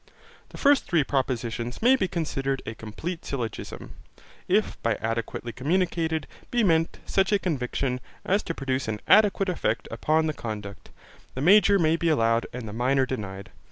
The first three propositions may be considered a complete syllogism. If by adequately communicated, be meant such a conviction as to produce an adequate effect upon the conduct, the major may be allowed and the minor denied.